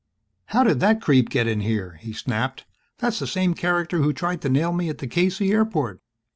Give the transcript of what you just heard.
"How did that creep get in here?" he snapped. "That's the same character who tried to nail me at the K.C. airport."